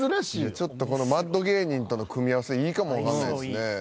ちょっとこのマッド芸人との組み合わせいいかもわかんないですね。